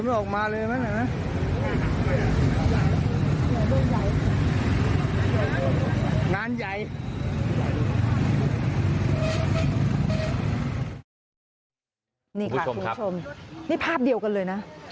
นี่ค่ะคุณผู้ชมนี่ภาพเดียวกันเลยนะ